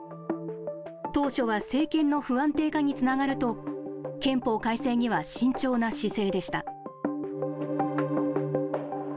当初は政権の不安定化につながると、憲法改正には慎重な姿勢でした。